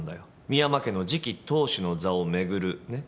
深山家の次期当主の座を巡るね。